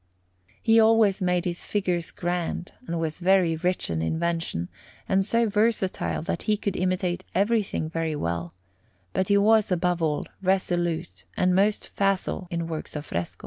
He always made his figures grand, and was very rich in invention, and so versatile that he could imitate everything very well; but he was, above all, resolute and most facile in works in fresco.